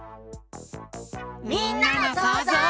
みんなのそうぞう。